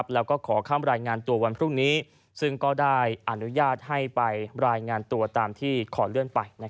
แล้วก็ขอข้ามรายงานตัววันพรุ่งนี้ซึ่งก็ได้อนุญาตให้ไปรายงานตัวตามที่ขอเลื่อนไป